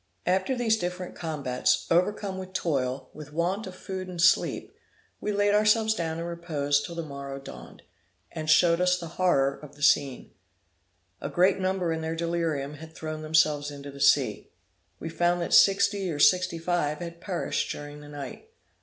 After these different combats, overcome with toil, with want of food and sleep, we laid ourselves down and reposed till the morrow dawned, and showed us the horror of the scene. A great number in their delirium had thrown themselves into the sea. We found that sixty or sixty five had perished during the night.